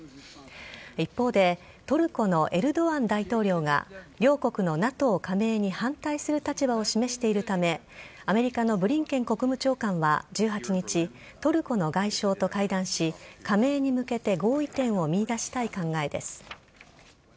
一方でトルコのエルドアン大統領が両国のＮＡＴＯ加盟に反対する立場を示しているためアメリカのブリンケン国務長官は１８日トルコの外相と会談し加盟に向けて合意点を見いだしたい考えです。